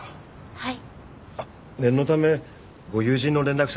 はい。